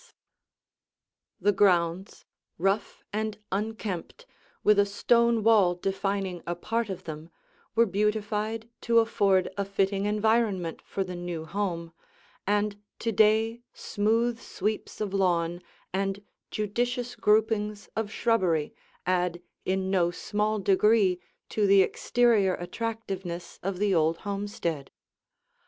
[Illustration: As Remodeled] The grounds, rough and unkempt, with a stone wall defining a part of them, were beautified to afford a fitting environment for the new home, and to day smooth sweeps of lawn and judicious groupings of shrubbery add in no small degree to the exterior attractiveness of the old homestead.